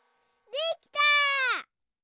できた！